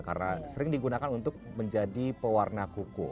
karena sering digunakan untuk menjadi pewarna kuku